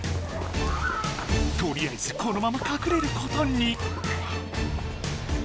とりあえずこのままかくれることに。